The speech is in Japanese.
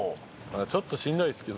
ちょっとしんどいですけど。